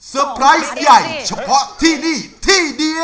ไพรส์ใหญ่เฉพาะที่นี่ที่เดียว